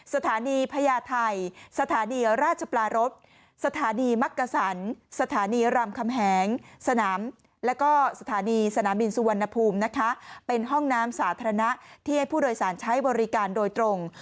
สถานีพญาไทยสถานีราชปรารถสถานีมักกษัน